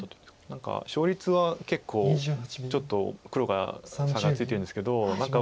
何か勝率は結構ちょっと黒が差がついてるんですけど何か。